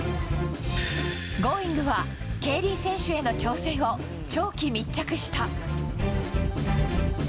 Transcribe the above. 「Ｇｏｉｎｇ！」は競輪選手への挑戦を長期密着した。